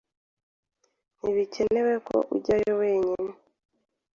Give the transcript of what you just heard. Ntibikenewe ko ajyayo wenyine.